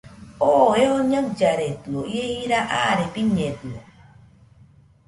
Oo eo ñaɨllaredɨio, ie jira aare biñedɨio